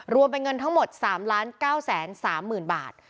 รวมเป็นเงินทั้งหมด๓ล้าน๙แสน๓หมื่นบาท